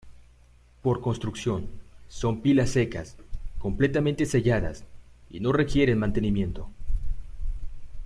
Por construcción, son pilas secas, completamente selladas y no requieren mantenimiento.